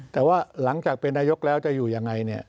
แต่ว่าหลังจากเป็นนายกแล้วจะอยู่ยังไงเนี่ย